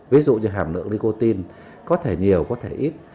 ví dụ như hàm lượng nicotine có thể nhiều có thể ít